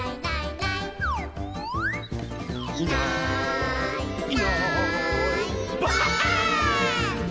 「いないいないばあっ！」